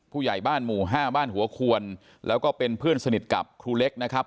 ผู้ใหญ่บ้านหมู่ห้าบ้านหัวควรแล้วก็เป็นเพื่อนสนิทกับครูเล็กนะครับ